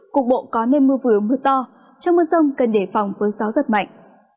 cục bộ có nên mưa vừa mưa to trong mưa sông cần để phòng với gió rất mạnh